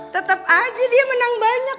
tetap aja dia menang banyak